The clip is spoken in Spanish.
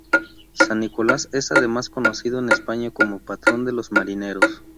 San Nicolás es además conocido en España como patrón de los marineros.